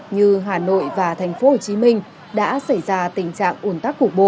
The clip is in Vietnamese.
như hà nội và thành phố hồ chí minh đã xảy ra tình trạng ổn tắc cục bộ